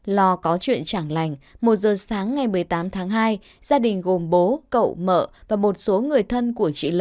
lo có chuyện trảng lành một giờ sáng ngày một mươi tám tháng hai gia đình gồm bố cậu mợ và một số người thân của chị l